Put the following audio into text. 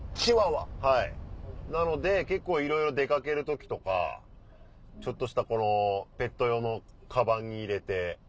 はいなので結構いろいろ出掛ける時とかちょっとしたこのペット用のカバンに入れて。